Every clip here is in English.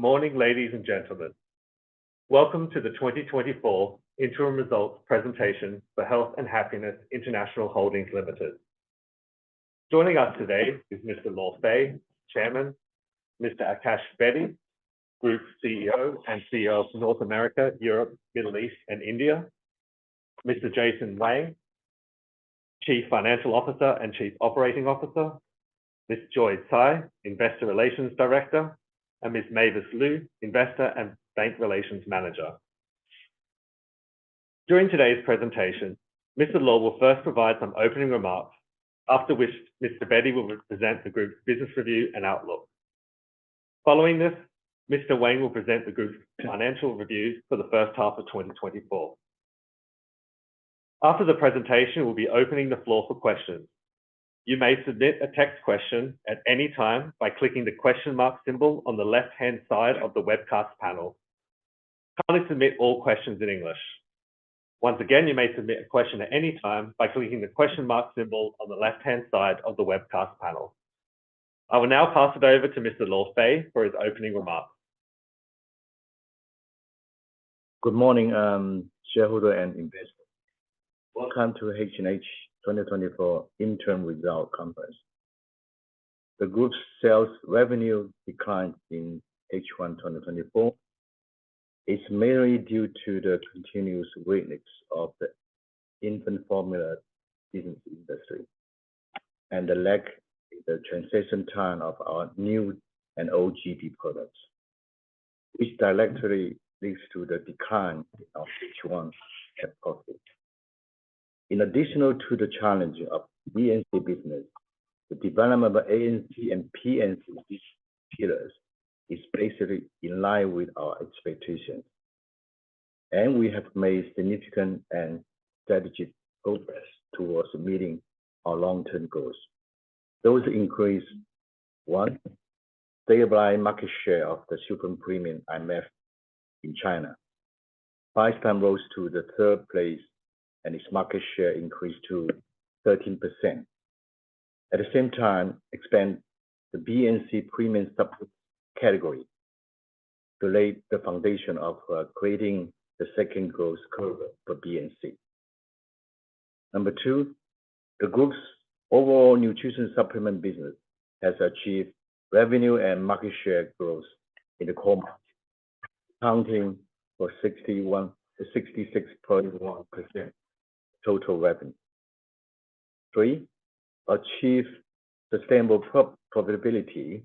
Good morning, ladies and gentlemen. Welcome to the 2024 Interim Results presentation for Health and Happiness International Holdings Limited. Joining us today is Mr. Luo Fei, Chairman; Mr. Akash Bedi, Group CEO and CEO of North America, Europe, Middle East, and India; Mr. Jason Wang, Chief Financial Officer and Chief Operating Officer; Ms. Joyce Tsai, Investor Relations Director; and Ms. Mavis Liu, Investor and Bank Relations Manager. During today's presentation, Mr. Luo will first provide some opening remarks, after which Mr. Bedi will present the group's business review and outlook. Following this, Mr. Wang will present the group's financial reviews for the first half of 2024. After the presentation, we'll be opening the floor for questions. You may submit a text question at any time by clicking the question mark symbol on the left-hand side of the webcast panel. Kindly submit all questions in English. Once again, you may submit a question at any time by clicking the question mark symbol on the left-hand side of the webcast panel. I will now pass it over to Mr. Luo Fei for his opening remarks. Good morning, shareholder and investor. Welcome to H&H 2024 interim result conference. The group's sales revenue declined in H1 2024. It's mainly due to the continuous weakness of the infant formula business industry, and the lack in the transition time of our new and old GP products, which directly leads to the decline of H1 net profit. In addition to the challenge of BNC business, the development of ANC and PNC pillars is basically in line with our expectations. We have made significant and strategic progress towards meeting our long-term goals. Those include, one, stabilize market share of the super premium IMF in China. Biostime rose to the third place, and its market share increased to 13%. At the same time, expand the BNC premium subcategory to lay the foundation of creating the second growth curve for BNC. Number two, the group's overall nutrition supplement business has achieved revenue and market share growth in the core market, accounting for 61-66.1% total revenue. 3, achieve sustainable profitability.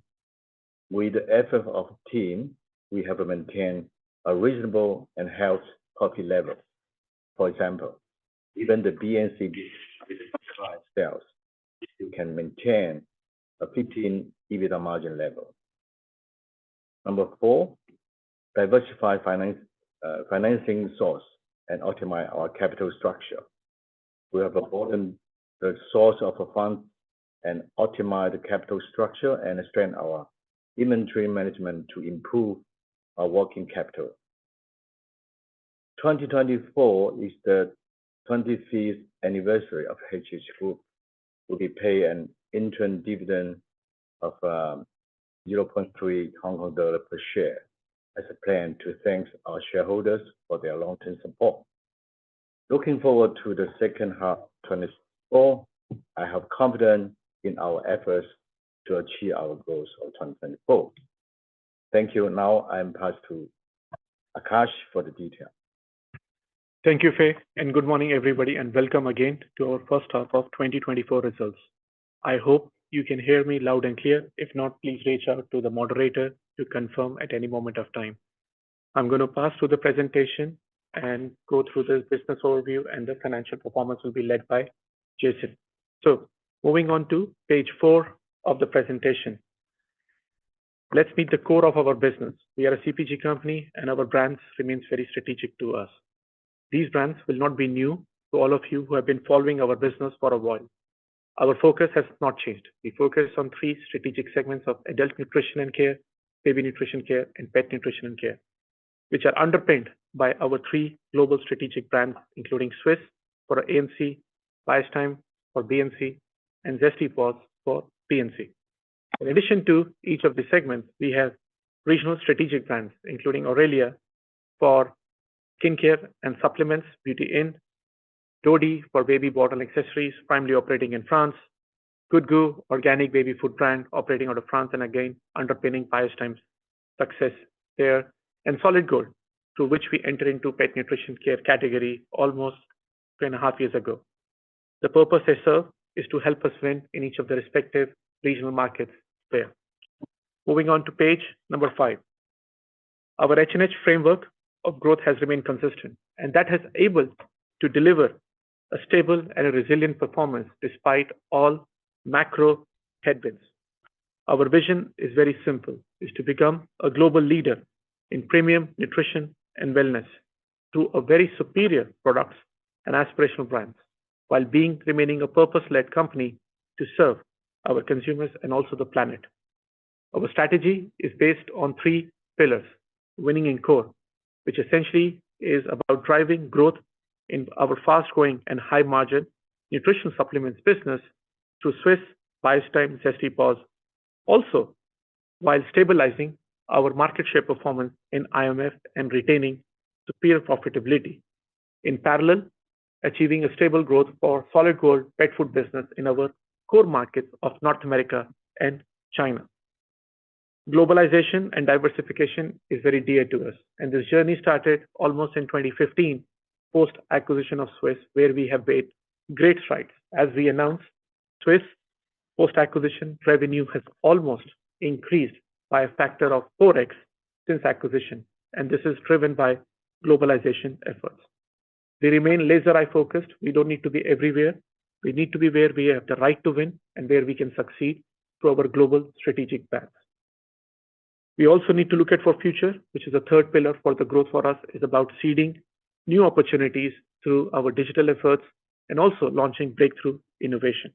With the effort of team, we have maintained a reasonable and healthy profit level. For example, even the BNC business sales, we can maintain a 15% EBITDA margin level. Number four, diversify finance, financing source and optimize our capital structure. We have broadened the source of a fund and optimized the capital structure, and strengthened our inventory management to improve our working capital. 2024 is the twenty-fifth anniversary of H&H Group. We will pay an interim dividend of 0.3 Hong Kong dollar per share, as a plan to thank our shareholders for their long-term support. Looking forward to the second half 2024, I have confidence in our efforts to achieve our goals of 2024. Thank you. Now, I pass to Akash for the details. Thank you, Fei, and good morning, everybody, and welcome again to our first half of 2024 results. I hope you can hear me loud and clear. If not, please reach out to the moderator to confirm at any moment of time. I'm gonna pass through the presentation and go through the business overview, and the financial performance will be led by Jason, so moving on to page four of the presentation. Let's meet the core of our business. We are a CPG company, and our brands remains very strategic to us. These brands will not be new to all of you who have been following our business for a while. Our focus has not changed. We focus on three strategic segments of adult nutrition and care, baby nutrition care, and pet nutrition and care, which are underpinned by our three global strategic brands, including Swisse for ANC, Biostime for BNC, and Zesty Paws for PNC. In addition to each of these segments, we have regional strategic brands, including Aurelia for skincare and supplements, Beauty Inn, Dodie for baby bottle accessories, primarily operating in France. Good Goût, organic baby food brand, operating out of France, and again, underpinning Biostime's success there, and Solid Gold, through which we enter into pet nutrition care category almost two and a half years ago. The purpose they serve is to help us win in each of the respective regional markets there. Moving on to page number five. Our H&H framework of growth has remained consistent, and that has able to deliver a stable and a resilient performance despite all macro headwinds. Our vision is very simple, is to become a global leader in premium nutrition and wellness through a very superior products and aspirational brands, while being remaining a purpose-led company to serve our consumers and also the planet. Our strategy is based on three pillars: winning in core, which essentially is about driving growth in our fast-growing and high-margin nutrition supplements business through Swisse, Biostime, Zesty Paws. Also, while stabilizing our market share performance in IMF and retaining superior profitability. In parallel, achieving a stable growth for Solid Gold pet food business in our core markets of North America and China. Globalization and diversification is very dear to us, and this journey started almost in 2015, post-acquisition of Swisse, where we have made great strides. As we announced, Swisse post-acquisition revenue has almost increased by a factor of 4x since acquisition, and this is driven by globalization efforts. We remain laser-eyed focused. We don't need to be everywhere. We need to be where we have the right to win and where we can succeed through our global strategic plans. We also need to look to the future, which is a third pillar for the growth for us, is about seeding new opportunities through our digital efforts and also launching breakthrough innovation.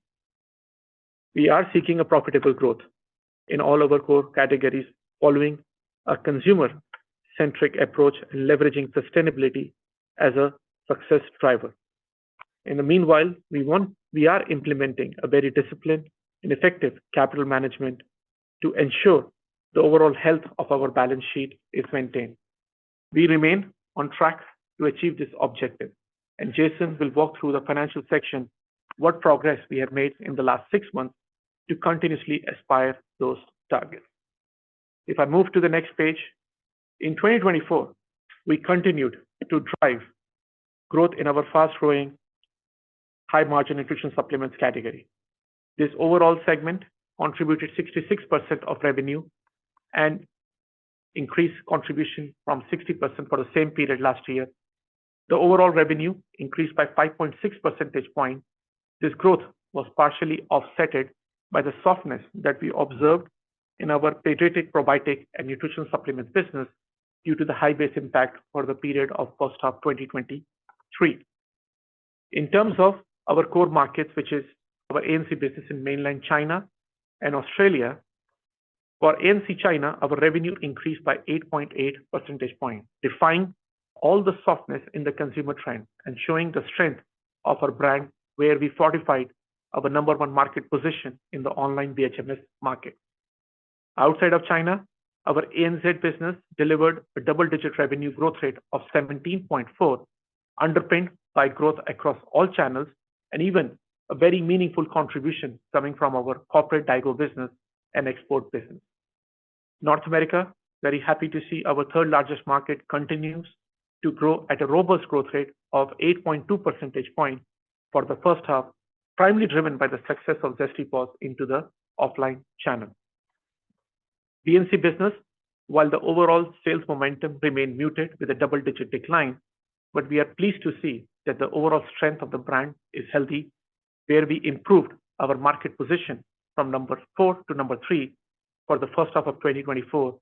We are seeking a profitable growth in all our core categories, following a consumer-centric approach and leveraging sustainability as a success driver. In the meanwhile, we are implementing a very disciplined and effective capital management to ensure the overall health of our balance sheet is maintained. We remain on track to achieve this objective, and Jason will walk through the financial section, what progress we have made in the last six months to continuously aspire those targets. If I move to the next page. In 2024, we continued to drive growth in our fast-growing, high-margin nutrition supplements category. This overall segment contributed 66% of revenue and increased contribution from 60% for the same period last year. The overall revenue increased by 5.6 percentage points. This growth was partially offset by the softness that we observed in our pediatric probiotic and nutrition supplements business due to the high base impact for the period of first half 2023. In terms of our core markets, which is our ANC business in Mainland China and Australia. For ANC China, our revenue increased by 8.8 percentage points, defying all the softness in the consumer trend and showing the strength of our brand, where we fortified our number one market position in the online VHMS market. Outside of China, our ANZ business delivered a double-digit revenue growth rate of 17.4%, underpinned by growth across all channels and even a very meaningful contribution coming from our corporate Daigou business and export business. North America, very happy to see our third-largest market continues to grow at a robust growth rate of 8.2 percentage points for the first half, primarily driven by the success of Zesty Paws into the offline channel. PNC business, while the overall sales momentum remained muted with a double-digit decline, but we are pleased to see that the overall strength of the brand is healthy, where we improved our market position from number 4 to number 3 for the first half of 2024,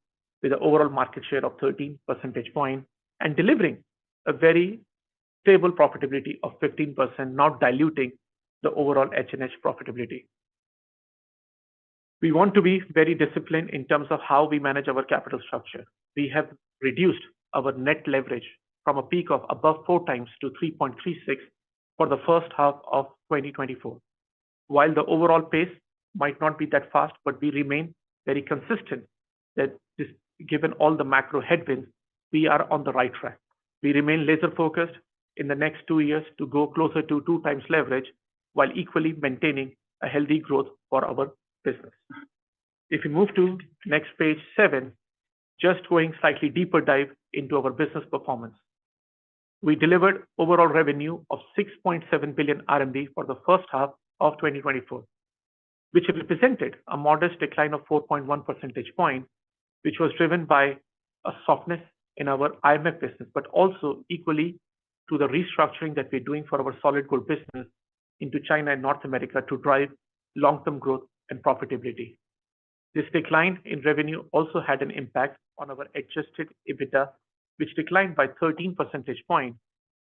with an overall market share of 13 percentage points and delivering a very stable profitability of 15%, not diluting the overall H&H profitability. We want to be very disciplined in terms of how we manage our capital structure. We have reduced our net leverage from a peak of above 4 times to 3.36 for the first half of 2024. While the overall pace might not be that fast, but we remain very consistent that given all the macro headwinds, we are on the right track. We remain laser-focused in the next two years to go closer to two times leverage, while equally maintaining a healthy growth for our business. If you move to next page seven, just going slightly deeper dive into our business performance. We delivered overall revenue of 6.7 billion RMB for the first half of 2024, which represented a modest decline of 4.1 percentage points, which was driven by a softness in our IMF business, but also equally to the restructuring that we're doing for our Solid Gold business into China and North America to drive long-term growth and profitability. This decline in revenue also had an impact on our adjusted EBITDA, which declined by 13 percentage points.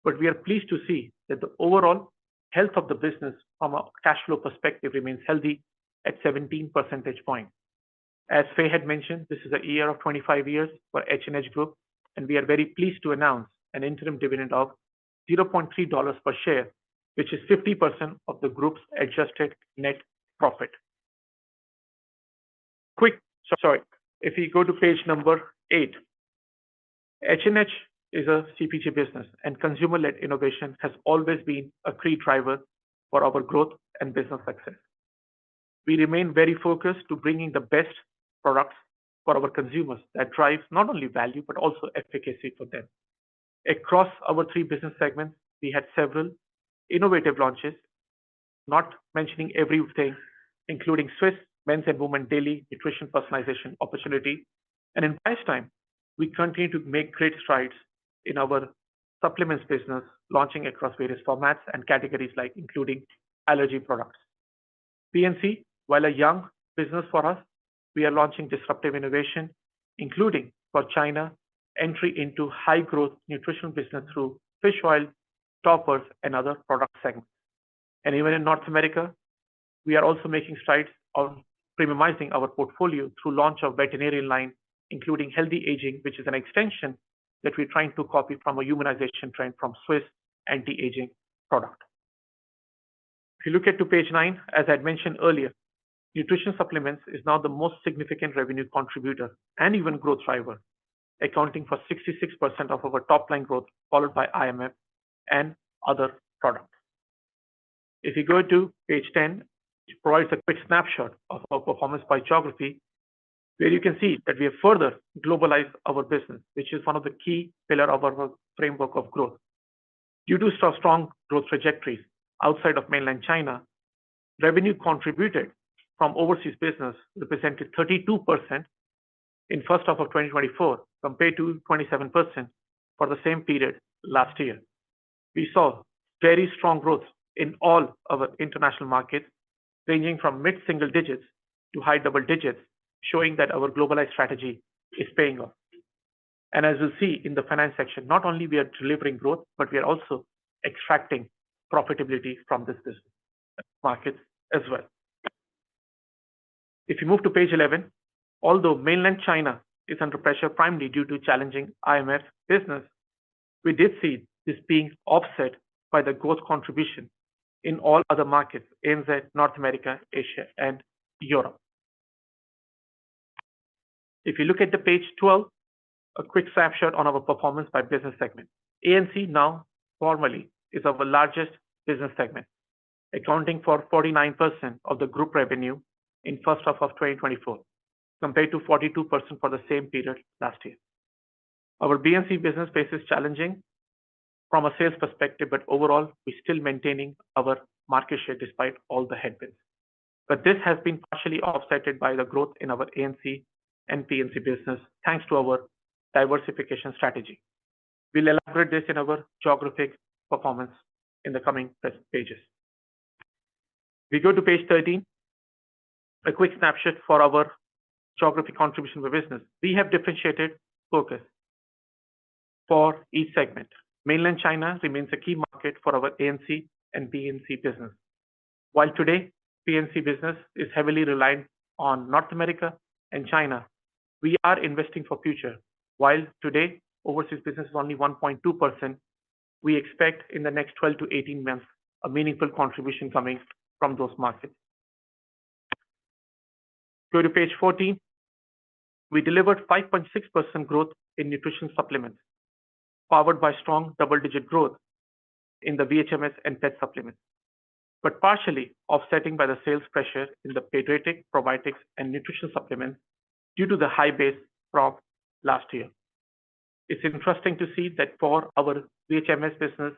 But we are pleased to see that the overall health of the business from a cash flow perspective remains healthy at 17 percentage points. As Fei had mentioned, this is a year of twenty-five years for H&H Group, and we are very pleased to announce an interim dividend of HK$0.3 per share, which is 50% of the group's adjusted net profit. Sorry, if you go to page 8. H&H is a CPG business, and consumer-led innovation has always been a key driver for our growth and business success. We remain very focused to bringing the best products for our consumers that drives not only value, but also efficacy for them. Across our three business segments, we had several innovative launches, not mentioning everything, including Swisse men's and women daily nutrition personalization opportunity. In Biostime, we continue to make great strides in our supplements business, launching across various formats and categories like including allergy products. PNC, while a young business for us, we are launching disruptive innovation, including for China, entry into high growth nutrition business through fish oil, toppers, and other product segments. And even in North America we are also making strides on premiumizing our portfolio through launch of veterinarian line, including healthy aging, which is an extension that we're trying to copy from a humanization trend from Swisse anti-aging product. If you look to page 9, as I'd mentioned earlier, nutrition supplements is now the most significant revenue contributor and even growth driver, accounting for 66% of our top line growth, followed by IMF and other products. If you go to page 10, it provides a quick snapshot of our performance by geography, where you can see that we have further globalized our business, which is one of the key pillar of our framework of growth. Due to strong growth trajectories outside of Mainland China, revenue contributed from overseas business represented 32% in first half of twenty twenty-four, compared to 27% for the same period last year. We saw very strong growth in all of our international markets, ranging from mid-single digits to high double digits, showing that our globalized strategy is paying off, and as you'll see in the finance section, not only we are delivering growth, but we are also extracting profitability from this business markets as well. If you move to page 11, although Mainland China is under pressure, primarily due to challenging IMF business, we did see this being offset by the growth contribution in all other markets, ANZ, North America, Asia, and Europe. If you look at page 12, a quick snapshot on our performance by business segment. ANC now formally is our largest business segment, accounting for 49% of the group revenue in first half of 2024, compared to 42% for the same period last year. Our BNC business faces challenges from a sales perspective, but overall, we're still maintaining our market share despite all the headwinds. But this has been partially offset by the growth in our ANC and PNC business, thanks to our diversification strategy. We'll elaborate this in our geographic performance in the coming pages. If we go to page 13, a quick snapshot for our geographic contribution to the business. We have differentiated focus for each segment. Mainland China remains a key market for our ANC and BNC business. While today, PNC business is heavily reliant on North America and China, we are investing for future. While today overseas business is only 1.2%, we expect in the next 12 to 18 months a meaningful contribution coming from those markets. Go to page 14. We delivered 5.6% growth in nutrition supplements, powered by strong double-digit growth in the VHMS and pet supplements, but partially offsetting by the sales pressure in the pediatric probiotics and nutrition supplements due to the high base from last year. It's interesting to see that for our VHMS business,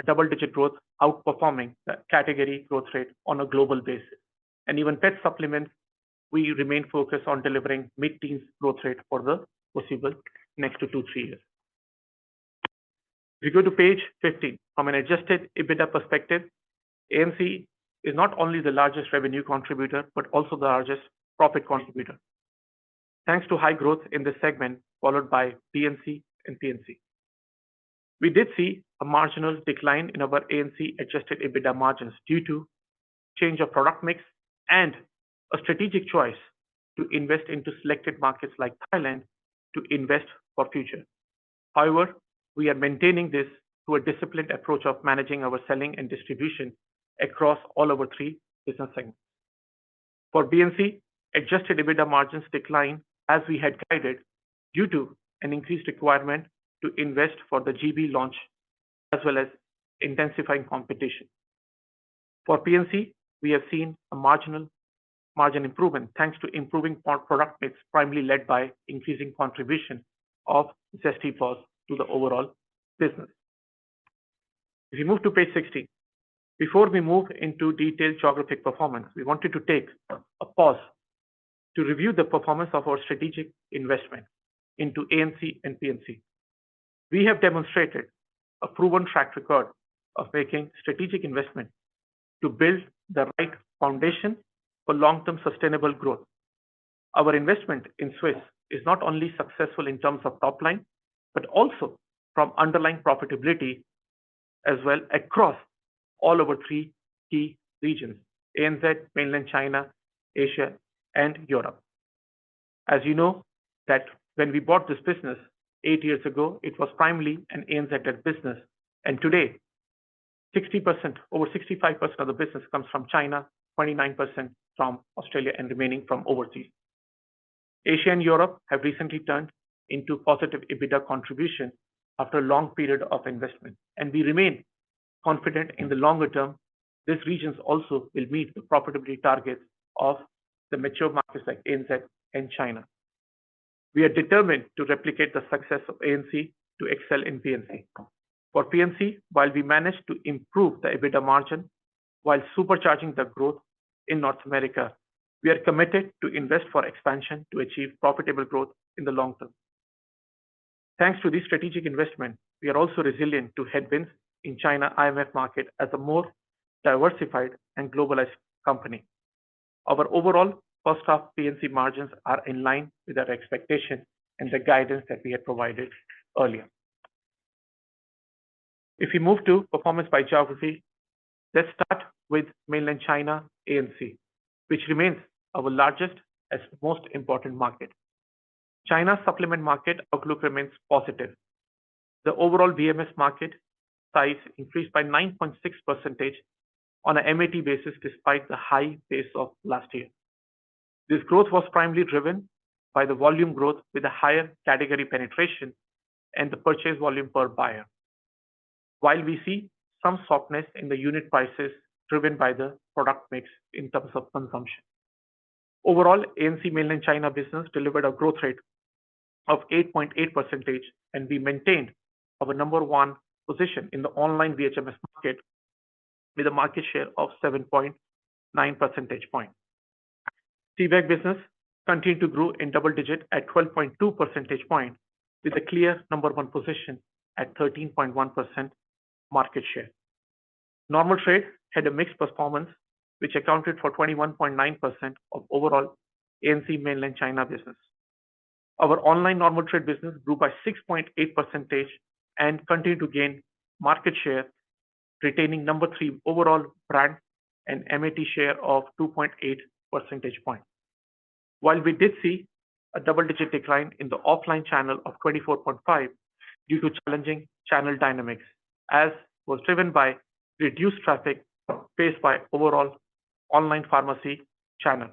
a double-digit growth outperforming the category growth rate on a global basis. And even pet supplements, we remain focused on delivering mid-teens growth rate for the foreseeable next to two, three years. If we go to page fifteen, from an adjusted EBITDA perspective, ANC is not only the largest revenue contributor, but also the largest profit contributor, thanks to high growth in this segment, followed by PNC and BNC. We did see a marginal decline in our ANC adjusted EBITDA margins due to change of product mix and a strategic choice to invest into selected markets like Thailand for future. However, we are maintaining this through a disciplined approach of managing our selling and distribution across all our three business segments. For BNC, adjusted EBITDA margins decline, as we had guided, due to an increased requirement to invest for the GB launch, as well as intensifying competition. For PNC, we have seen a marginal margin improvement, thanks to improving our product mix, primarily led by increasing contribution of Zesty Paws to the overall business. If you move to page sixteen. Before we move into detailed geographic performance, we wanted to take a pause to review the performance of our strategic investment into ANC and PNC. We have demonstrated a proven track record of making strategic investment to build the right foundation for long-term sustainable growth. Our investment in Swisse is not only successful in terms of top line, but also from underlying profitability as well across all our three key regions, ANZ, Mainland China, Asia, and Europe. As you know, that when we bought this business eight years ago, it was primarily an ANZ-led business, and today, 60%, over 65% of the business comes from China, 29% from Australia, and remaining from overseas. Asia and Europe have recently turned into positive EBITDA contribution after a long period of investment, and we remain confident in the longer term. These regions also will meet the profitability targets of the mature markets like ANZ and China. We are determined to replicate the success of ANC to excel in PNC. For PNC, while we managed to improve the EBITDA margin while supercharging the growth in North America, we are committed to invest for expansion to achieve profitable growth in the long term. Thanks to this strategic investment, we are also resilient to headwinds in China, IMF market as a more diversified and globalized company. Our overall first half PNC margins are in line with our expectation and the guidance that we had provided earlier. If you move to performance by geography, let's start with Mainland China, ANC, which remains our largest and most important market. China supplement market outlook remains positive. The overall VHMS market size increased by 9.6% on a MAT basis, despite the high base of last year. This growth was primarily driven by the volume growth with a higher category penetration and the purchase volume per buyer. While we see some softness in the unit prices driven by the product mix in terms of consumption. Overall, ANC Mainland China business delivered a growth rate of 8.8%, and we maintained our number one position in the online VHMS market with a market share of 7.9 percentage point. Tmall business continued to grow in double digit at 12.2 percentage point, with a clear number one position at 13.1% market share. Normal trade had a mixed performance, which accounted for 21.9% of overall ANC Mainland China business. Our online normal trade business grew by 6.8% and continued to gain market share, retaining number three overall brand and MAT share of 2.8 percentage points. While we did see a double-digit decline in the offline channel of 24.5% due to challenging channel dynamics, as was driven by reduced traffic faced by overall online pharmacy channel.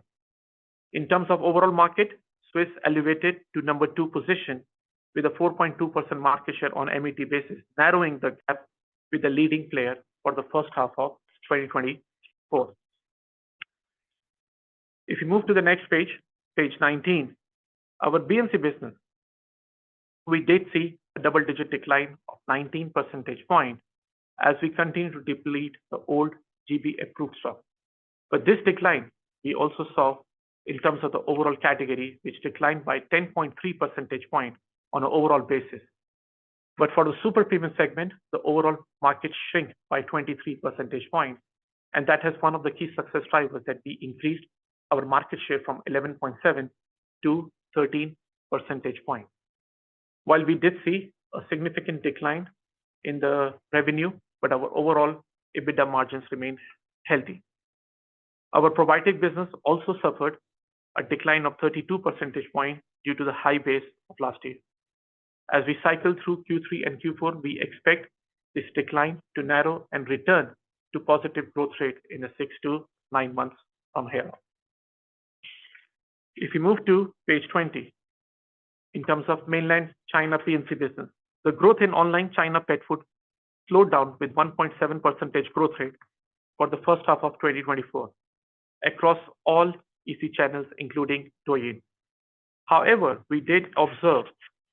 In terms of overall market, Swisse elevated to number two position with a 4.2% market share on MAT basis, narrowing the gap with the leading player for the first half of 2024. If you move to the next page, page 19, our BNC business, we did see a double-digit decline of 19 percentage points as we continue to deplete the old GB approved stock. But this decline, we also saw in terms of the overall category, which declined by 10.3 percentage point on an overall basis. But for the super premium segment, the overall market shrink by 23 percentage points, and that is one of the key success drivers, that we increased our market share from 11.7 to 13 percentage points. While we did see a significant decline in the revenue, but our overall EBITDA margins remain healthy. Our probiotic business also suffered a decline of 32 percentage point due to the high base of last year. As we cycle through Q3 and Q4, we expect this decline to narrow and return to positive growth rate in a six to nine months from here. If you move to page 20, in terms of Mainland China PNC business, the growth in online China pet food slowed down with 1.7% growth rate for the first half of 2024 across all EC channels, including Douyin. However, we did observe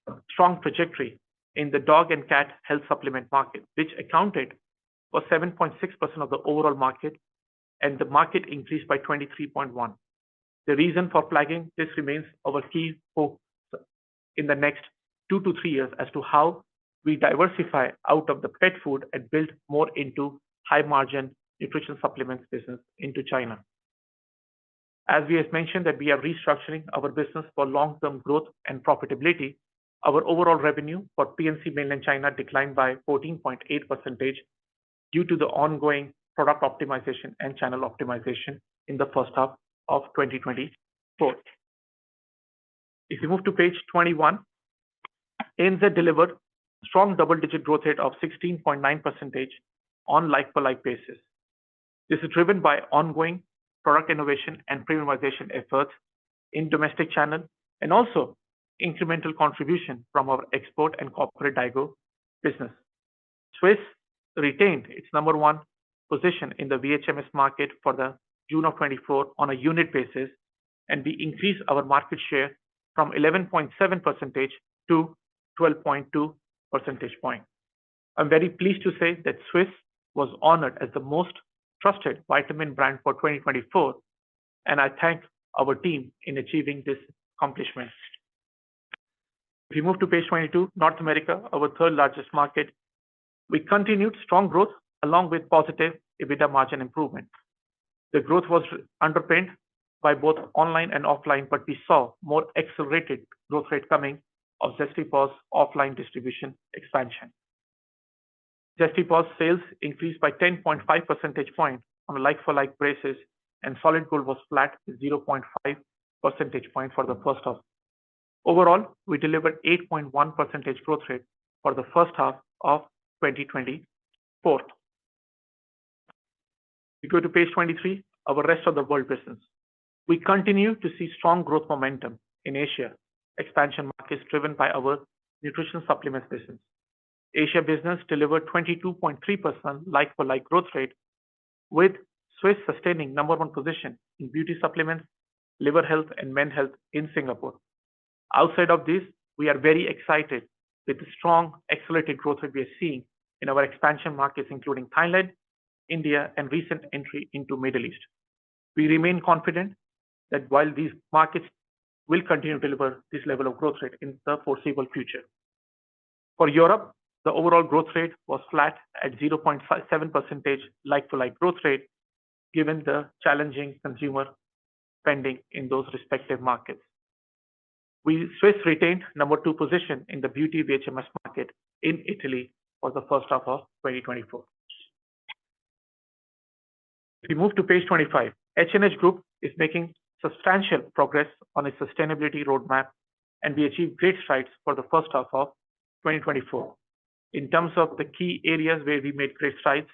a strong trajectory in the dog and cat health supplement market, which accounted for 7.6% of the overall market, and the market increased by 23.1%. The reason for flagging this remains our key focus in the next two to three years as to how we diversify out of the pet food and build more into high-margin nutrition supplements business into China. As we have mentioned, that we are restructuring our business for long-term growth and profitability, our overall revenue for PNC Mainland China declined by 14.8% due to the ongoing product optimization and channel optimization in the first half of 2024. If you move to page 21, NZ delivered strong double-digit growth rate of 16.9% on like-for-like basis. This is driven by ongoing product innovation and premiumization efforts in domestic channel, and also incremental contribution from our export and corporate Daigou business. Swisse retained its number one position in the VHMS market for the June of 2024 on a unit basis, and we increased our market share from 11.7% to 12.2 percentage point. I'm very pleased to say that Swisse was honored as the most trusted vitamin brand for twenty twenty-four, and I thank our team in achieving this accomplishment. If you move to page 22, North America, our third largest market, we continued strong growth along with positive EBITDA margin improvement. The growth was underpinned by both online and offline, but we saw more accelerated growth rate coming of Zesty Paws' offline distribution expansion. Zesty Paws' sales increased by 10.5 percentage points on a like-for-like basis, and Solid Gold was flat, 0.5 percentage points for the first half. Overall, we delivered 8.1% growth rate for the first half of twenty twenty-four. We go to page 23, our rest of the world business. We continue to see strong growth momentum in Asia. Expansion market is driven by our nutrition supplements business. Asia business delivered 22.3% like-for-like growth rate, with Swisse sustaining number one position in beauty supplements, liver health, and men health in Singapore. Outside of this, we are very excited with the strong accelerated growth that we are seeing in our expansion markets, including Thailand, India, and recent entry into Middle East. We remain confident that while these markets will continue to deliver this level of growth rate in the foreseeable future. For Europe, the overall growth rate was flat at 0.57% like-for-like growth rate, given the challenging consumer spending in those respective markets. Swisse retained number two position in the beauty VHMS market in Italy for the first half of 2024. If we move to page 25, H&H Group is making substantial progress on its sustainability roadmap, and we achieved great strides for the first half of 2024. In terms of the key areas where we made great strides,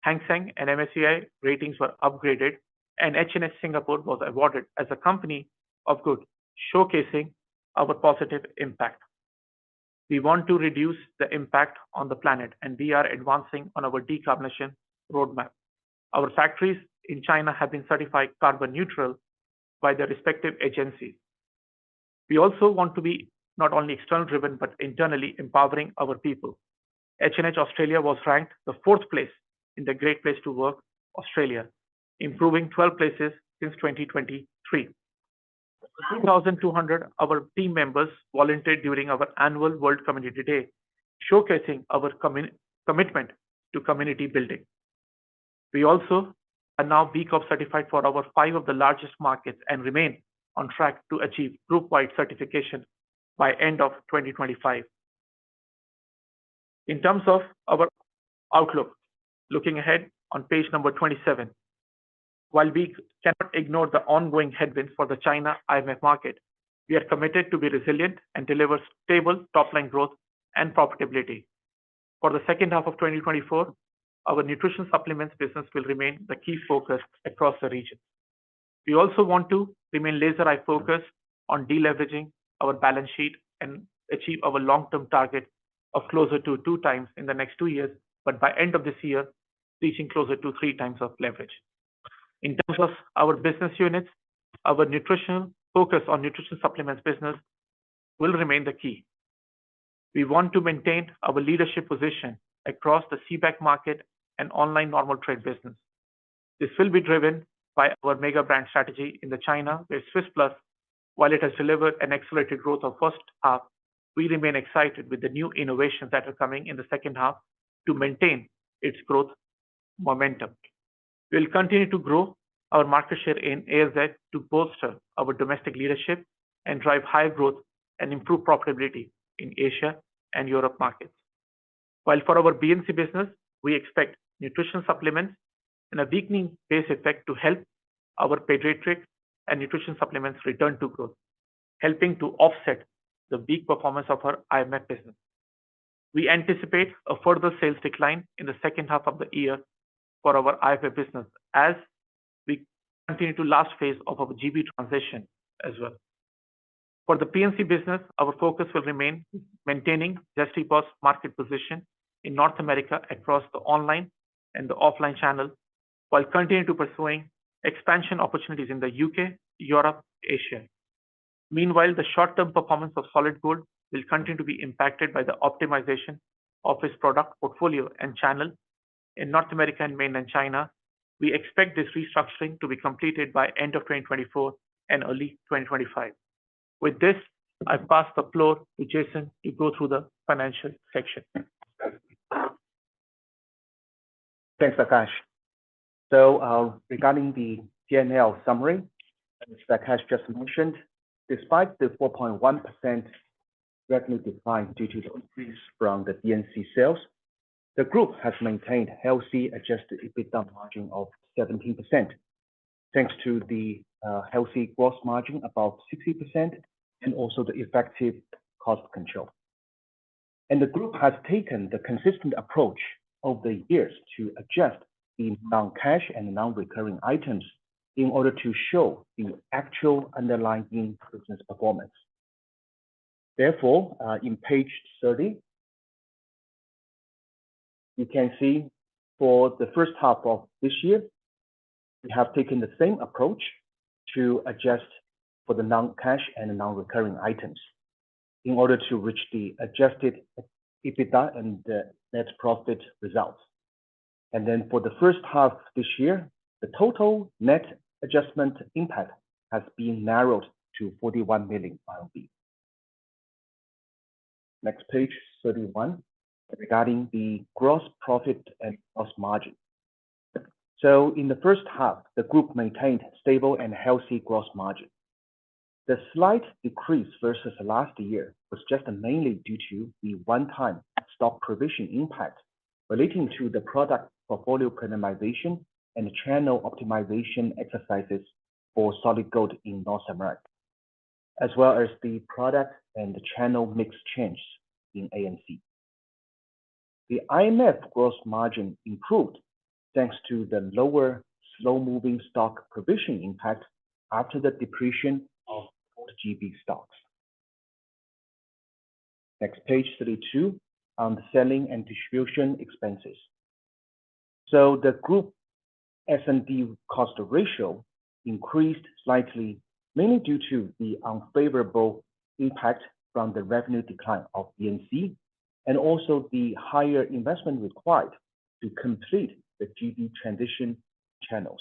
Hang Seng and MSCI ratings were upgraded, and H&H Singapore was awarded as a Company of Good, showcasing our positive impact. We want to reduce the impact on the planet, and we are advancing on our decarbonization roadmap. Our factories in China have been certified carbon neutral by their respective agencies. We also want to be not only external driven, but internally empowering our people. H&H Australia was ranked the fourth place in the Great Place to Work, Australia, improving 12 places since 2023. 2,200 of our team members volunteered during our annual World Community Day, showcasing our commitment to community building. We also are now B Corp certified for our five of the largest markets and remain on track to achieve group-wide certification by end of 2025. In terms of our outlook, looking ahead on page number 27. While we cannot ignore the ongoing headwinds for the China IMF market, we are committed to be resilient and deliver stable top-line growth and profitability. For the second half of 2024, our nutrition supplements business will remain the key focus across the region. We also want to remain laser-eye focused on deleveraging our balance sheet and achieve our long-term target of closer to two times in the next two years, but by end of this year, reaching closer to three times of leverage. In terms of our business units, our nutrition focus on nutrition supplements business will remain the key. We want to maintain our leadership position across the CPG market and online normal trade business. This will be driven by our mega brand strategy in China, where Swisse Plus+, while it has delivered an accelerated growth in the first half, we remain excited with the new innovations that are coming in the second half to maintain its growth momentum. We'll continue to grow our market share in ANZ to bolster our domestic leadership and drive high growth and improve profitability in Asia and Europe markets. While for our BNC business, we expect nutrition supplements and a weakening base effect to help our pediatric nutrition supplements return to growth, helping to offset the weak performance of our IMF business. We anticipate a further sales decline in the second half of the year for our IMF business as we continue the last phase of our GB transition as well. For the PNC business, our focus will remain maintaining Zesty Paws market position in North America across the online and the offline channel, while continuing to pursuing expansion opportunities in the UK, Europe, Asia. Meanwhile, the short-term performance of Solid Gold will continue to be impacted by the optimization of its product portfolio and channel in North America and Mainland China. We expect this restructuring to be completed by end of 2024 and early 2025. With this, I pass the floor to Jason to go through the financial section. Thanks, Akash. So, regarding the PNL summary, as Akash just mentioned, despite the 4.1% revenue decline due to the increase from the PNC sales, the group has maintained healthy adjusted EBITDA margin of 17%, thanks to the healthy gross margin, about 60%, and also the effective cost control. And the group has taken the consistent approach over the years to adjust the non-cash and non-recurring items in order to show the actual underlying business performance. Therefore, in page 30, you can see for the first half of this year, we have taken the same approach to adjust for the non-cash and non-recurring items in order to reach the adjusted EBITDA and the net profit results. And then for the first half this year, the total net adjustment impact has been narrowed to 41 million RMB. Next page, 31, regarding the gross profit and gross margin. In the first half, the group maintained stable and healthy gross margin. The slight decrease versus last year was just mainly due to the one-time stock provision impact relating to the product portfolio optimization and channel optimization exercises for Solid Gold in North America, as well as the product and the channel mix changes in ANC. The IMF gross margin improved, thanks to the lower slow-moving stock provision impact after the depreciation of old GB stocks. Next, page 32, on the selling and distribution expenses. The group S&D cost ratio increased slightly, mainly due to the unfavorable impact from the revenue decline of BNC and also the higher investment required to complete the GB transition channels.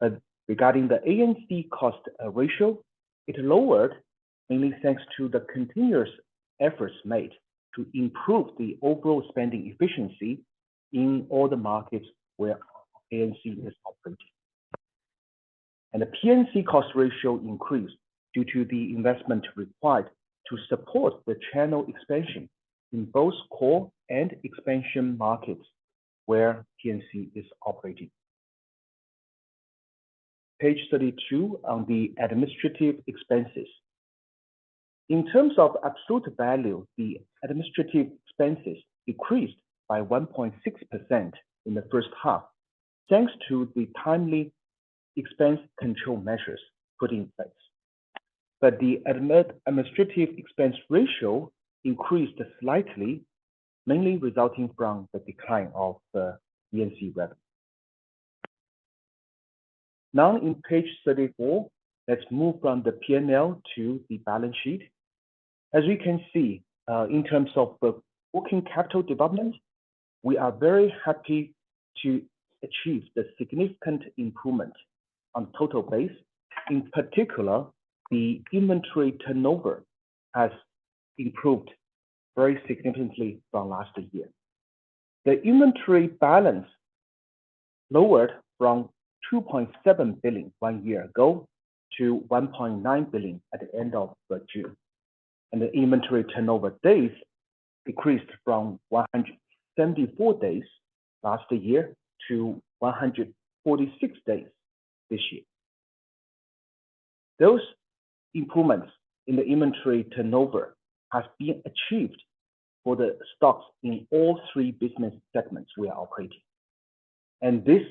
But regarding the ANC cost ratio, it lowered-... mainly thanks to the continuous efforts made to improve the overall spending efficiency in all the markets where ANC is operating. And the PNC cost ratio increased due to the investment required to support the channel expansion in both core and expansion markets where PNC is operating. Page 32 on the administrative expenses. In terms of absolute value, the administrative expenses decreased by 1.6% in the first half, thanks to the timely expense control measures put in place. But the administrative expense ratio increased slightly, mainly resulting from the decline of the BNC revenue. Now on page 34, let's move from the PNL to the balance sheet. As you can see, in terms of the working capital development, we are very happy to achieve the significant improvement on total base. In particular, the inventory turnover has improved very significantly from last year. The inventory balance lowered from 2.7 billion one year ago to 1.9 billion at the end of June, and the inventory turnover days decreased from 174 days last year to 146 days this year. Those improvements in the inventory turnover have been achieved for the stocks in all three business segments we are operating, and this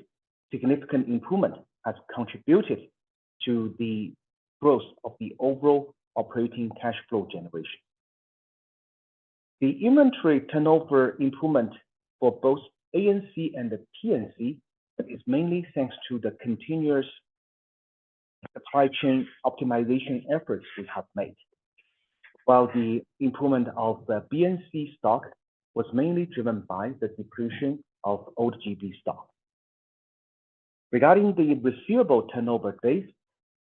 significant improvement has contributed to the growth of the overall operating cash flow generation. The inventory turnover improvement for both ANC and the PNC is mainly thanks to the continuous supply chain optimization efforts we have made. While the improvement of the BNC stock was mainly driven by the depreciation of old GB stock. Regarding the receivable turnover days,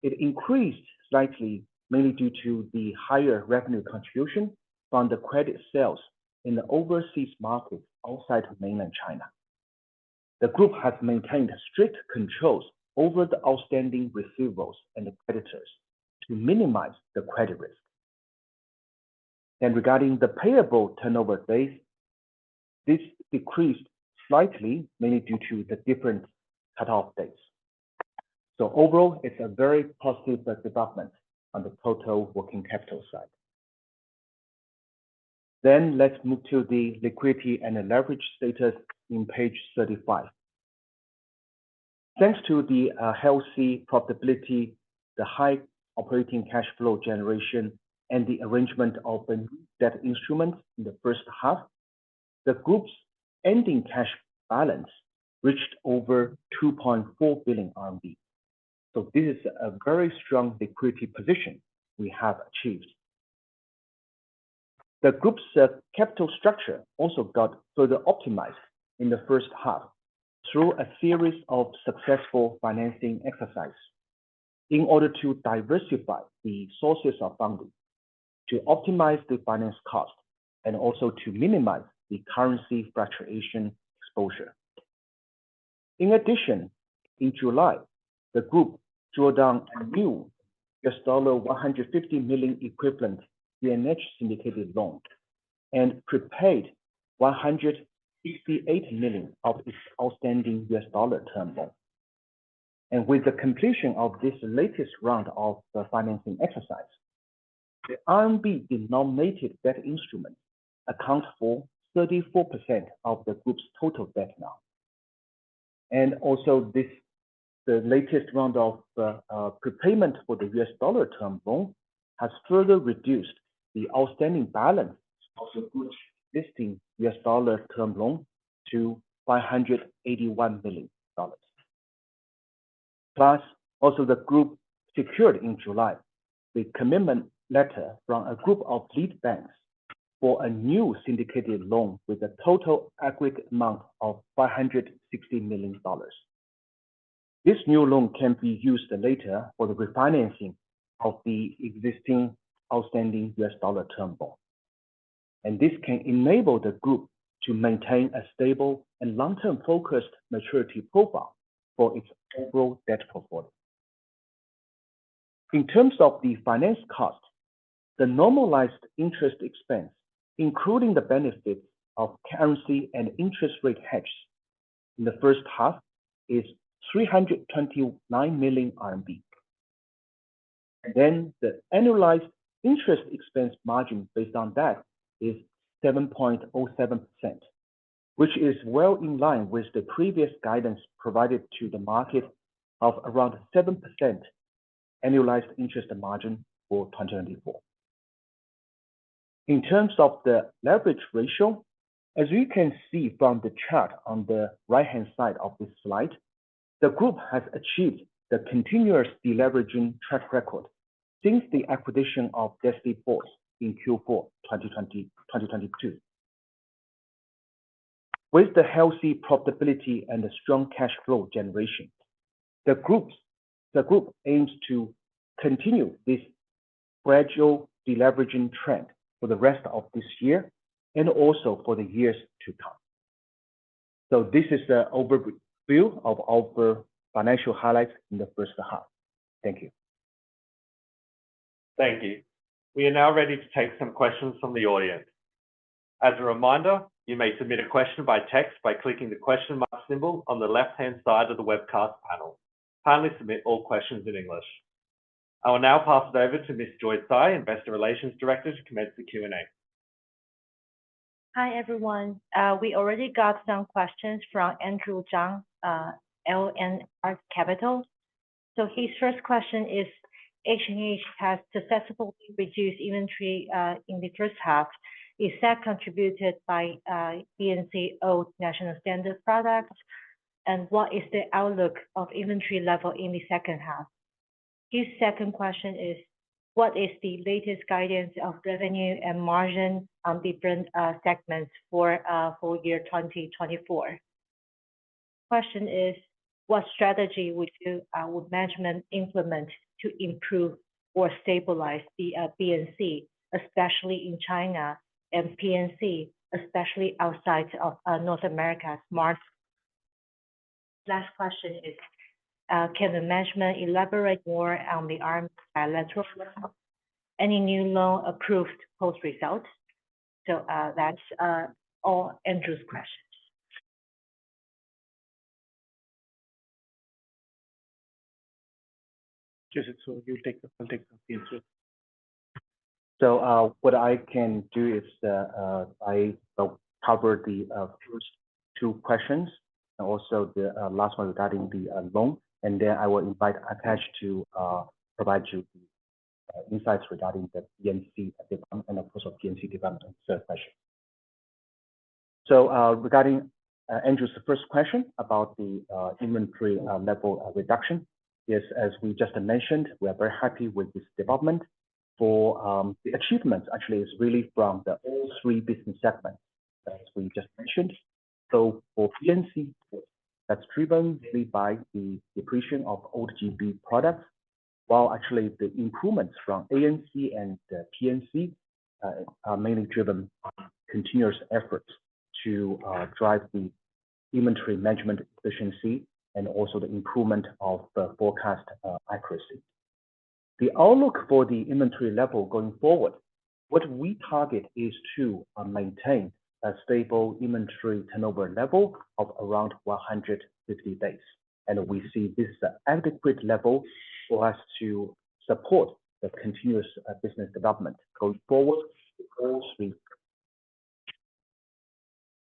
it increased slightly, mainly due to the higher revenue contribution from the credit sales in the overseas markets outside of Mainland China. The group has maintained strict controls over the outstanding receivables and the creditors to minimize the credit risk. And regarding the payable turnover days, this decreased slightly, mainly due to the different cutoff dates. So overall, it's a very positive development on the total working capital side. Then let's move to the liquidity and the leverage status in page 35. Thanks to the healthy profitability, the high operating cash flow generation, and the arrangement of the debt instruments in the first half, the group's ending cash balance reached over 2.4 billion RMB. So this is a very strong liquidity position we have achieved. The group's capital structure also got further optimized in the first half through a series of successful financing exercises in order to diversify the sources of funding, to optimize the finance cost, and also to minimize the currency fluctuation exposure. In addition, in July, the group drew down a new $150 million equivalent in CNH syndicated loan and prepaid $168 million of its outstanding US dollar term loan. And with the completion of this latest round of the financing exercise, the RMB-denominated debt instrument accounts for 34% of the group's total debt now. And also this, the latest round of prepayment for the US dollar term loan has further reduced the outstanding balance of the group's existing US dollar term loan to $581 million. Plus, also, the group secured in July the commitment letter from a group of lead banks for a new syndicated loan with a total aggregate amount of $560 million. This new loan can be used later for the refinancing of the existing outstanding US dollar term loan. This can enable the group to maintain a stable and long-term focused maturity profile for its overall debt portfolio. In terms of the finance cost, the normalized interest expense, including the benefits of currency and interest rate hedge in the first half, is 329 million RMB. The annualized interest expense margin based on that is 7.07%, which is well in line with the previous guidance provided to the market of around 7% annualized interest margin for 2024. In terms of the leverage ratio, as you can see from the chart on the right-hand side of this slide, the group has achieved the continuous deleveraging track record since the acquisition of Zesty Paws in Q4 2020, 2022. With the healthy profitability and the strong cash flow generation, the groups, the group aims to continue this gradual deleveraging trend for the rest of this year and also for the years to come, so this is the overview of our financial highlights in the first half. Thank you. Thank you. We are now ready to take some questions from the audience. As a reminder, you may submit a question by text by clicking the question mark symbol on the left-hand side of the webcast panel. Kindly submit all questions in English. I will now pass it over to Ms. Joyce Tsai, Investor Relations Director, to commence the Q&A. Hi, everyone. We already got some questions from Andrew Zhang, L.R. Capital. So his first question is, H&H has successfully reduced inventory in the first half. Is that contributed by BNC old national standard products? And what is the outlook of inventory level in the second half? His second question is, what is the latest guidance of revenue and margin on different segments for full year twenty twenty-four? Question is, what strategy would management implement to improve or stabilize the BNC, especially in China and PNC, especially outside of North America's market? Last question is, can the management elaborate more on the bilateral? Any new loan approved post results? So, that's all Andrew's questions. Yes, so, I'll take the answer. So, what I can do is, I will cover the first two questions and also the last one regarding the loan, and then I will invite Akash to provide you insights regarding the BNC development and, of course, of PNC development section. So, regarding Andrew's first question about the inventory level reduction. Yes, as we just mentioned, we are very happy with this development. For the achievement actually is really from all three business segments, as we just mentioned. So for BNC, that's driven really by the depreciation of old GB products, while actually the improvements from ANC and the PNC are mainly driven by continuous efforts to drive the inventory management efficiency and also the improvement of the forecast accuracy. The outlook for the inventory level going forward, what we target is to maintain a stable inventory turnover level of around one hundred fifty days, and we see this adequate level for us to support the continuous business development going forward for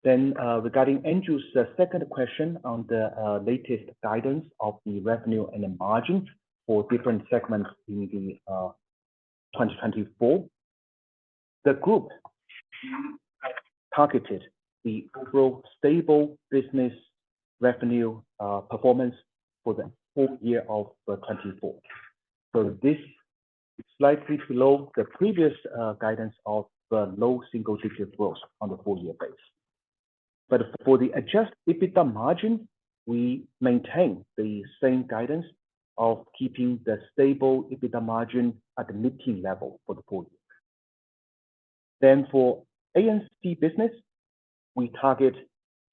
all three. Then, regarding Andrew's second question on the latest guidance of the revenue and the margin for different segments in the twenty twenty-four. The group has targeted the overall stable business revenue performance for the full year of twenty twenty-four. So this is slightly below the previous guidance of the low single-digit growth on the full year base. But for the Adjusted EBITDA margin, we maintain the same guidance of keeping the stable EBITDA margin at the mid-teen level for the full year. Then for ANC business, we target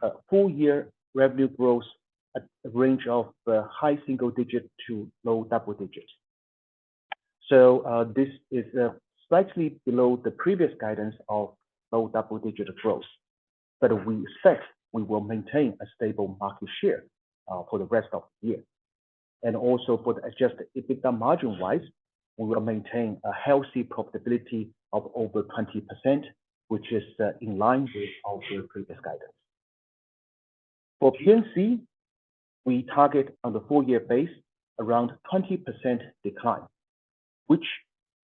a full year revenue growth at a range of high single digit to low double digits. So this is slightly below the previous guidance of low double-digit growth, but we expect we will maintain a stable market share for the rest of the year. And also for the adjusted EBITDA margin-wise, we will maintain a healthy profitability of over 20%, which is in line with our previous guidance. For PNC, we target on the full year base around 20% decline, which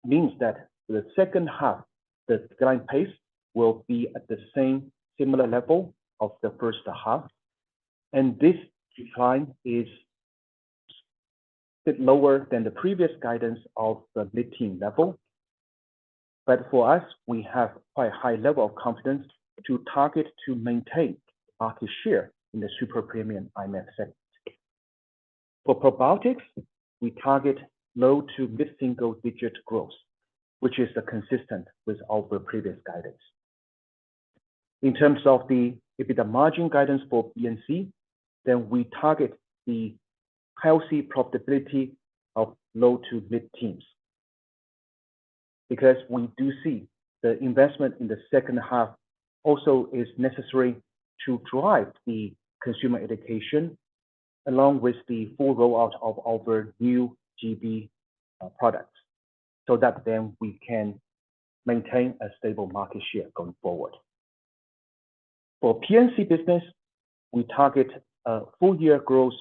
means that the second half, the decline pace will be at the same similar level of the first half, and this decline is bit lower than the previous guidance of the mid-teen level. But for us, we have quite a high level of confidence to target to maintain market share in the super premium IMF segment. For probiotics, we target low to mid-single-digit growth, which is consistent with our previous guidance. In terms of the EBITDA margin guidance for PNC, then we target the healthy profitability of low to mid-teens, because we do see the investment in the second half also is necessary to drive the consumer education, along with the full rollout of our new GB products, so that then we can maintain a stable market share going forward. For PNC business, we target a full year growth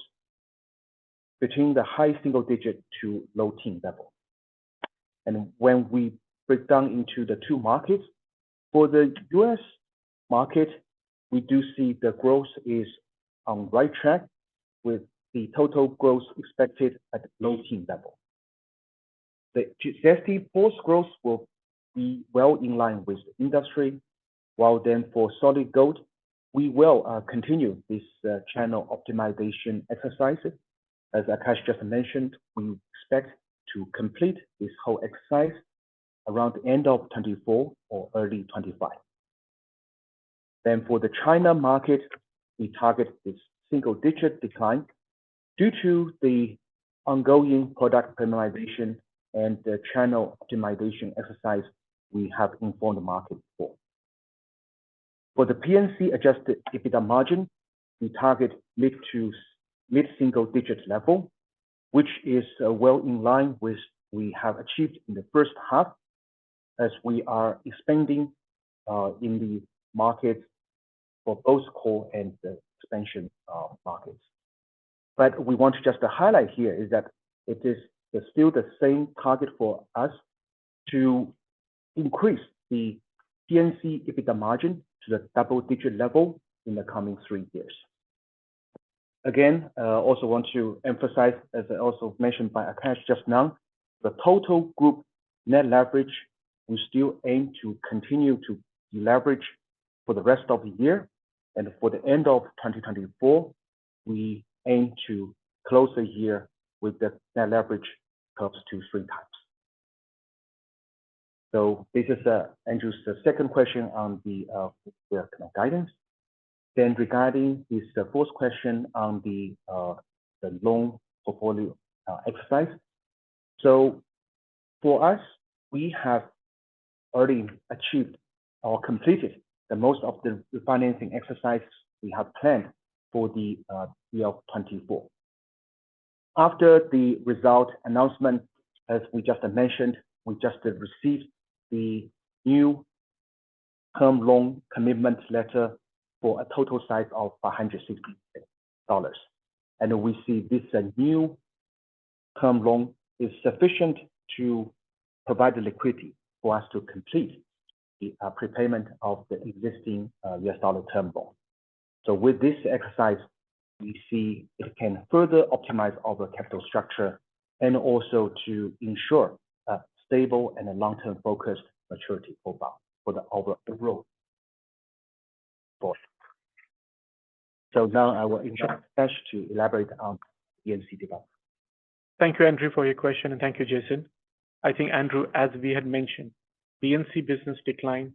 between the high single digit to low-teen level, and when we break down into the two markets, for the U.S. market, we do see the growth is on right track, with the total growth expected at low-teen level. The GCT fourth growth will be well in line with industry, while then for Solid Gold, we will continue this channel optimization exercise. As Akash just mentioned, we expect to complete this whole exercise around the end of 2024 or early 2025. Then for the China market, we target this single-digit decline due to the ongoing product premiumization and the channel optimization exercise we have informed the market for. For the PNC adjusted EBITDA margin, we target mid- to mid-single-digits level, which is, well in line with we have achieved in the first half, as we are expanding in the market for both core and the expansion markets. But we want to just to highlight here is that it is still the same target for us to increase the PNC EBITDA margin to the double-digit level in the coming three years. Again, I also want to emphasize, as I also mentioned by Akash just now, the total group net leverage, we still aim to continue to deleverage for the rest of the year and for the end of 2024, we aim to close the year with the net leverage close to three times. So this is answers the second question on the kind of guidance. Then regarding this fourth question on the loan portfolio exercise. So for us, we have already achieved or completed the most of the refinancing exercise we have planned for the year of 2024. After the result announcement, as we just mentioned, we just received the new term loan commitment letter for a total size of $160. And we see this new term loan is sufficient to provide the liquidity for us to complete the prepayment of the existing U.S. dollar term loan. So with this exercise, we see it can further optimize our capital structure and also to ensure a stable and a long-term focused maturity profile for the overall debt. So now I will invite Akash to elaborate on the BNC development. Thank you, Andrew, for your question, and thank you, Jason. I think, Andrew, as we had mentioned, BNC business decline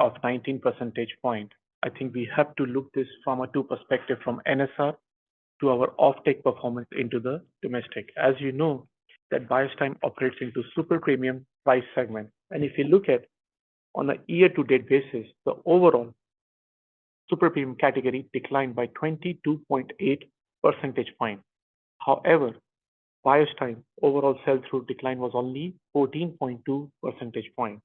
of 19 percentage points. I think we have to look at this from two perspectives, from NSR to our off-take performance in the domestic. As you know, Biostime operates in the super premium price segment. And if you look at, on a year-to-date basis, the overall super premium category declined by 22.8 percentage points. However, Biostime overall sell-through decline was only 14.2 percentage points.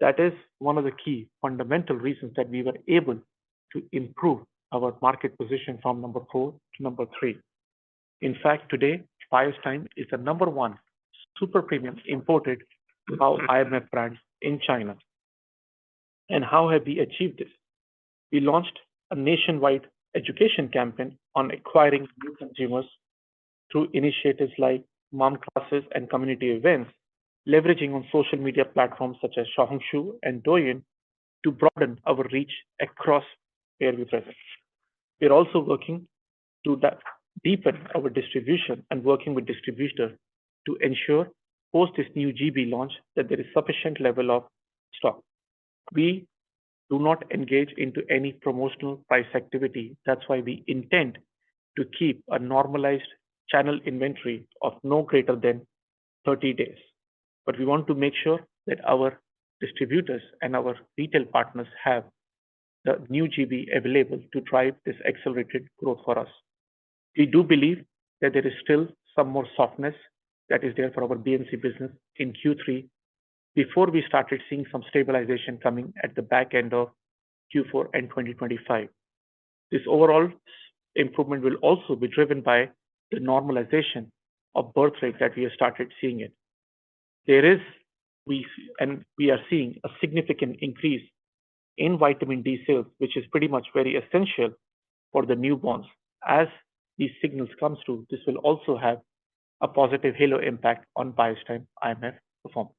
That is one of the key fundamental reasons that we were able to improve our market position from number four to number three. In fact, today, Biostime is the number one super premium imported IMF brands in China. And how have we achieved this? We launched a nationwide education campaign on acquiring new consumers through initiatives like mom classes and community events, leveraging on social media platforms such as Xiaohongshu and Douyin to broaden our reach across their presence. We are also working to deepen our distribution and working with distributors to ensure, post this new GB launch, that there is sufficient level of stock. We do not engage into any promotional price activity. That's why we intend to keep a normalized channel inventory of no greater than thirty days. But we want to make sure that our distributors and our retail partners have the new GB available to drive this accelerated growth for us. We do believe that there is still some more softness that is there for our BNC business in Q3, before we started seeing some stabilization coming at the back end of Q4 and 2025. This overall improvement will also be driven by the normalization of birth rates that we have started seeing. We are seeing a significant increase in vitamin D sales, which is pretty much very essential for the newborns. As these signals come through, this will also have a positive halo impact on Biostime IMF performance,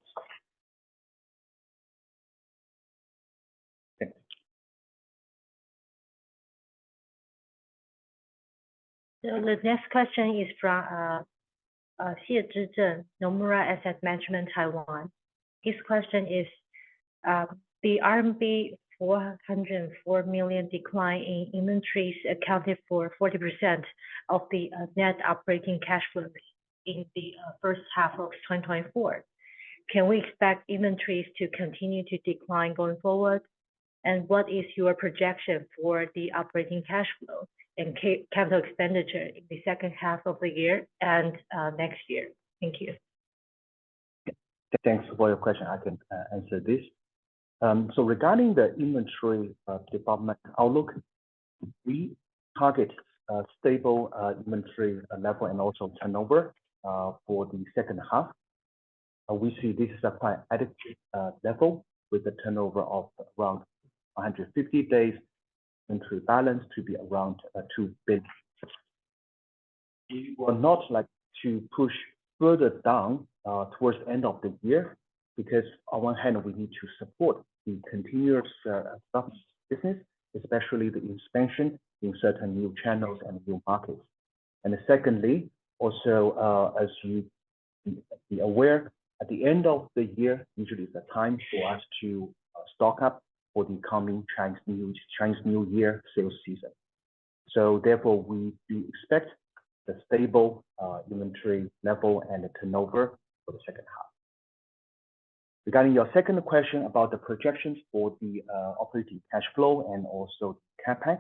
thank you. The next question is from Xizhen, Nomura Asset Management, Taiwan. His question is, the RMB 404 million decline in inventories accounted for 40% of the net operating cash flow in the first half of 2024. Can we expect inventories to continue to decline going forward? And what is your projection for the operating cash flow and capital expenditure in the second half of the year and next year? Thank you. Thanks for your question. I can answer this. So regarding the inventory development outlook, we target stable inventory level and also turnover for the second half. We see this is a quite adequate level with a turnover of around a hundred and fifty days. Inventory balance to be around 2 billion. We would not like to push further down towards the end of the year, because on one hand, we need to support the continuous business, especially the expansion in certain new channels and new markets. And secondly, also, as you be aware, at the end of the year, usually is the time for us to stock up for the coming Chinese New Year sales season. So therefore, we do expect a stable inventory level and a turnover for the second half. Regarding your second question about the projections for the operating cash flow and also CapEx.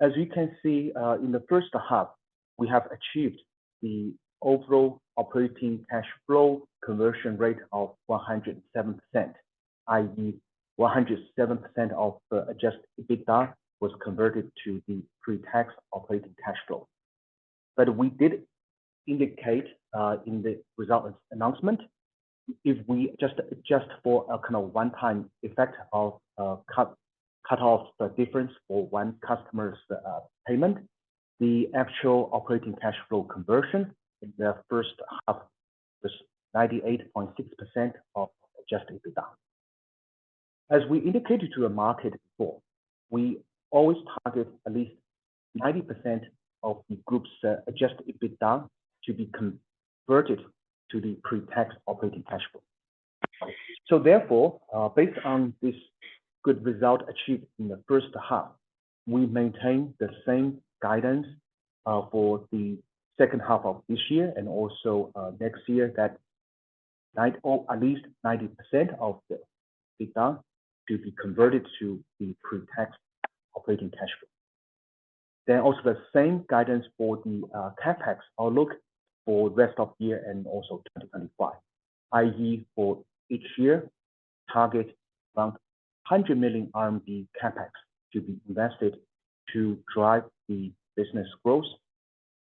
As you can see, in the first half, we have achieved the overall operating cash flow conversion rate of 107%, i.e., 107% of the adjusted EBITDA was converted to the pre-tax operating cash flow. But we did indicate, in the results announcement, if we adjust for a kind of one-time effect of cut off the difference for one customer's payment, the actual operating cash flow conversion in the first half was 98.6% of adjusted EBITDA. As we indicated to the market before, we always target at least 90% of the group's adjusted EBITDA to be converted to the pre-tax operating cash flow. So therefore, based on this good result achieved in the first half, we maintain the same guidance for the second half of this year and also next year, that 9% or at least 90% of the EBITDA to be converted to the pre-tax operating cash flow. Then also the same guidance for the CapEx outlook for rest of year and also 2025, i.e., for each year, target around 100 million RMB CapEx to be invested to drive the business growth.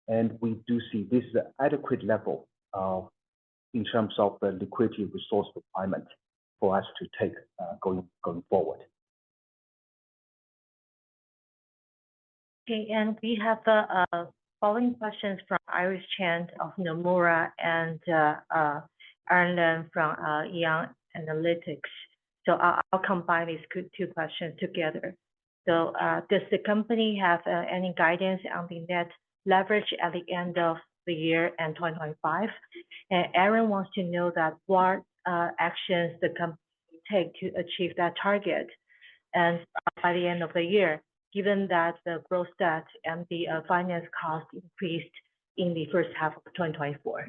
And we do see this is an adequate level in terms of the liquidity resource requirement for us to take going forward. Okay, and we have the following questions from Iris Chan of Nomura and Aaron Lam from Haitong International. So I'll combine these two questions together. So, does the company have any guidance on the net leverage at the end of the year and 2025? And Aaron wants to know what actions the company take to achieve that target by the end of the year, given that the gross debt and the finance cost increased in the first half of 2024?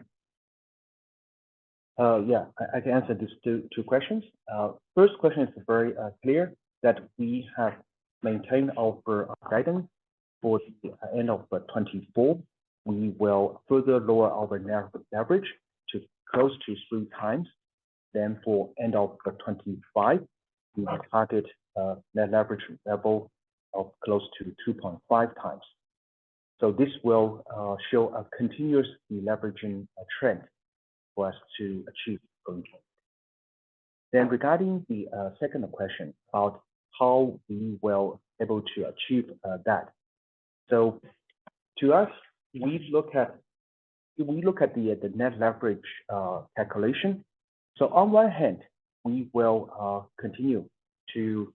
Yeah, I can answer these two questions. First question is very clear that we have maintained our guidance for the end of 2024. We will further lower our net leverage to close to three times. Then for end of 2025, we will target net leverage level of close to 2.5 times. So this will show a continuous deleveraging trend for us to achieve going forward. Then regarding the second question about how we will able to achieve that. So to us, we look at the net leverage calculation. So on one hand, we will continue to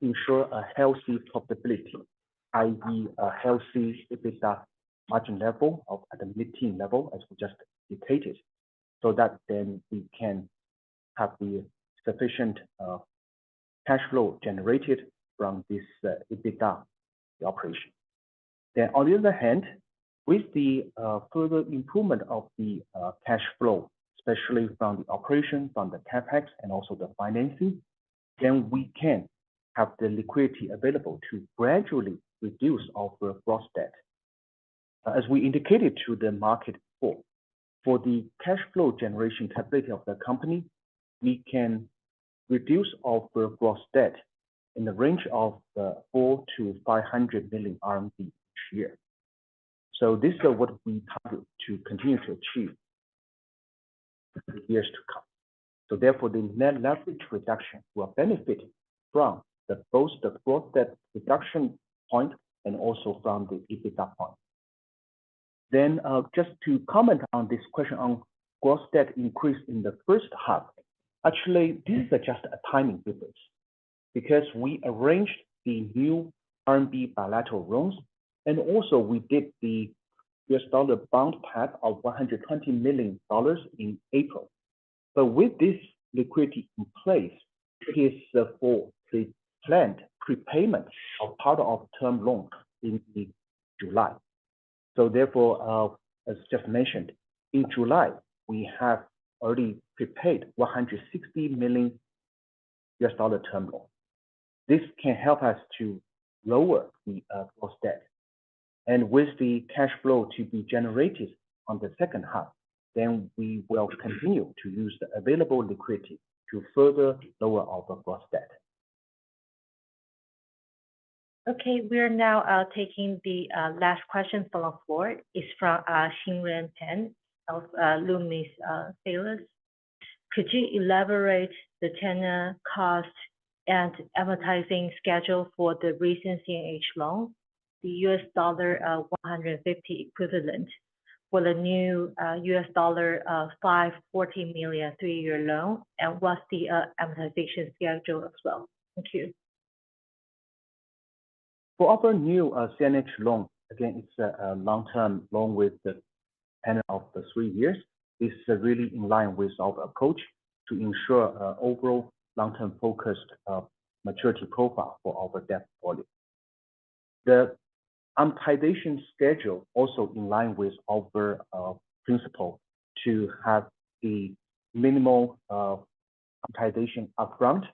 ensure a healthy profitability, i.e., a healthy EBITDA margin level of at the mid-teen level, as we just indicated, so that then we can have the sufficient cash flow generated from this EBITDA operation. Then on the other hand, with the further improvement of the cash flow, especially from the operation, from the CapEx and also the financing, then we can have the liquidity available to gradually reduce our gross debt. As we indicated to the market before, for the cash flow generation capability of the company, we can reduce our gross debt in the range of 400-500 million RMB each year. So this is what we target to continue to achieve in the years to come. So therefore, the net leverage reduction will benefit from both the gross debt reduction point and also from the EBITDA point. Then just to comment on this question on gross debt increase in the first half. Actually, this is just a timing difference, because we arranged the new RMB bilateral loans, and also we did the US dollar bond tap of $120 million in April. But with this liquidity in place, it is for the planned prepayment of part of term loan in July. So therefore, as just mentioned, in July, we have already prepaid $160 million US dollar term loan. This can help us to lower the gross debt. And with the cash flow to be generated on the second half, then we will continue to use the available liquidity to further lower our gross debt. Okay, we are now taking the last question from the floor. It's from Xinwen Pan of Loomis Sayles. Could you elaborate the tenor cost and advertising schedule for the recent CNH loan, the US dollar 150 equivalent for the new US dollar 514 million three-year loan? And what's the amortization schedule as well? Thank you. For our new CNH loan, again, it's a long-term loan with the tenor of three years. This is really in line with our approach to ensure overall long-term focused maturity profile for our debt portfolio. The amortization schedule also in line with our principle to have the minimal amortization upfront,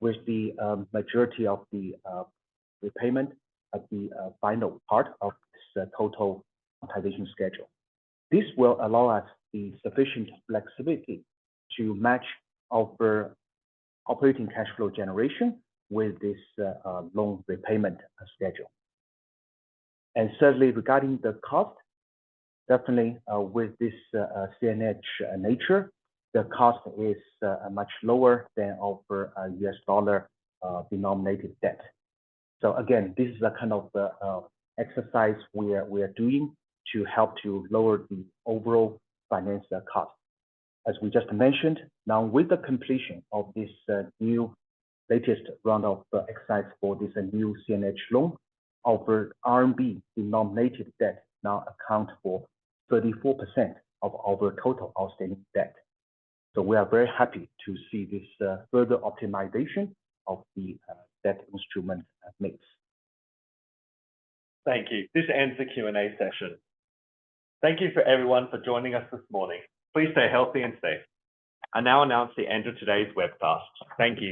with the majority of the repayment at the final part of this total amortization schedule. This will allow us the sufficient flexibility to match our operating cash flow generation with this loan repayment schedule. And certainly regarding the cost, definitely, with this CNH nature, the cost is much lower than our U.S. dollar denominated debt. So again, this is the kind of exercise we are doing to help to lower the overall financial cost. As we just mentioned, now with the completion of this, new latest round of exercise for this new CNH loan, our RMB denominated debt now account for 34% of our total outstanding debt. So we are very happy to see this, further optimization of the, debt instrument mix. Thank you. This ends the Q&A session. Thank you for everyone for joining us this morning. Please stay healthy and safe. I now announce the end of today's webcast. Thank you.